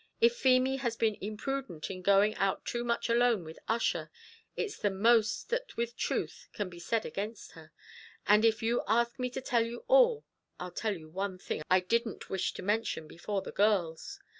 If Feemy has been imprudent in going out too much alone with Ussher, it's the most that with truth can be said against her; and as you ask me to tell you all, I'll tell you one thing I didn't wish to mention before the girls."